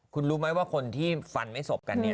คุณรู้ไหมว่าคนที่ฟันไม่สบกัน